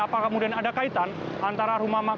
apakah kemudian ada kaitan antara rumah makan